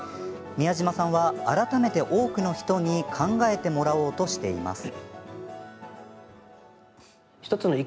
宮島さんは、改めて多くの人に考えてもらおうとしています。